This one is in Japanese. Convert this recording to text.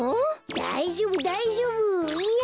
だいじょうぶだいじょうぶいや